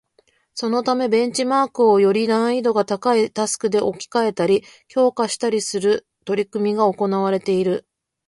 そのためベンチマークをより難易度が高いタスクで置き換えたり、強化したりする取り組みが行われている